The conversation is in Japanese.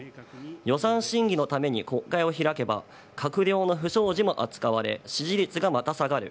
予算審議のために国会を開けば、閣僚の不祥事も扱われ、支持率がまた下がる。